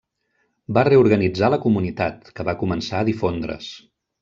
Va reorganitzar la comunitat, que va començar a difondre's.